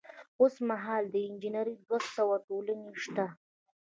اوس مهال د انجنیری دوه سوه ټولنې شته.